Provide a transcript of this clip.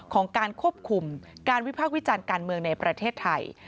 ของการควบคุมการวิพากษ์วิจารณ์การเมืองในประเทศไทย